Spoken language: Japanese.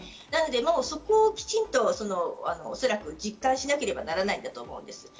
なのでそこはきちんと、おそらく実感しなければならないと思います。